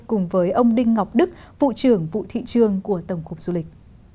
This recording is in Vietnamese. cùng với ông đinh ngọc đức vụ trưởng vụ thị trường của tổng cục du lịch